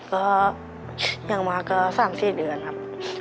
ก็ยังมาก็สามสี่เดือนครับ